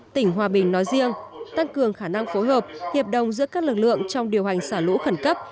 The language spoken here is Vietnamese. tỉnh hòa bình nói riêng tăng cường khả năng phối hợp hiệp đồng giữa các lực lượng trong điều hành xả lũ khẩn cấp